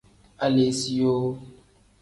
Aleesiyoo.